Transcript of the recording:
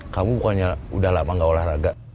kamu bukannya udah lama gak olahraga